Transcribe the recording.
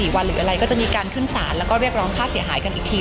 วันหรืออะไรก็จะมีการขึ้นศาลแล้วก็เรียกร้องค่าเสียหายกันอีกที